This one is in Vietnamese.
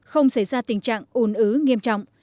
không xảy ra tình trạng ủn ứ nghiêm trọng